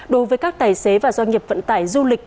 đối với các tài xế và doanh nghiệp vận tải du lịch